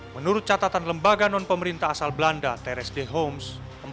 menurut catatan lembaga non pemerintah asal belanda terest homes